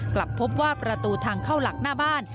กลับพบว่าประตูทางเข้าหลักหน้าบ้าน